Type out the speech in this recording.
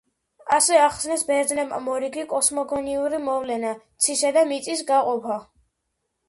ასე ახსნეს ბერძნებმა მორიგი კოსმოგონიური მოვლენა, ცისა და მიწის გაყოფა.